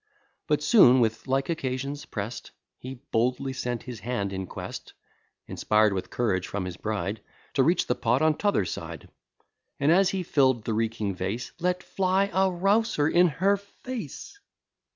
But soon, with like occasions prest He boldly sent his hand in quest (Inspired with courage from his bride) To reach the pot on t'other side; And, as he fill'd the reeking vase; Let fly a rouser in her face.